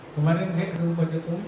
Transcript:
kemarin saya ketemu pak jokowi